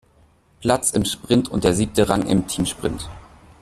Platz im Sprint und der siebte Rang im Teamsprint.